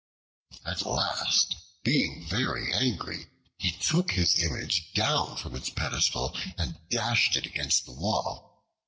At last, being very angry, he took his image down from its pedestal and dashed it against the wall.